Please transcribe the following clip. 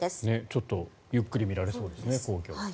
ちょっとゆっくり見られそうですね皇居。